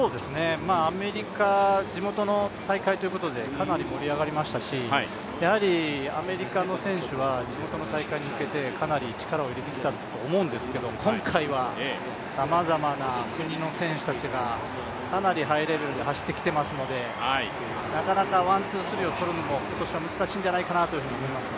アメリカ、地元の大会ということでかなり盛り上がりましたし、アメリカの選手は地元の大会に向けてかなり力を入れてきたんだと思うんですけど今回はさまざまな国の選手たちがかなりハイレベルで走ってきていますのでなかなかワン・ツー・スリーを取るのも今年は難しいんじゃないかと思います。